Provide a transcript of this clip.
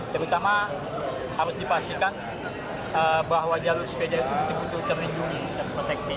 terutama harus dipastikan bahwa jalur sepeda itu betul betul terlindungi terproteksi